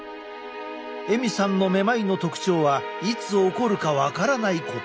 エミさんのめまいの特徴はいつ起こるか分からないこと。